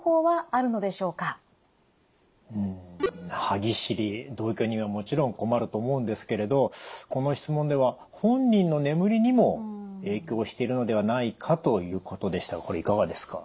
歯ぎしり同居人はもちろん困ると思うんですけれどこの質問では本人の眠りにも影響しているのではないかということでしたがこれいかがですか？